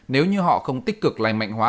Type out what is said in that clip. nếu như họ không tích cực lành mạnh hóa